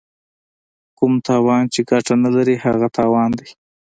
کوم تاوان چې ګټه نه لري هغه تاوان دی.